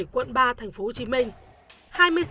quận ba tp hcm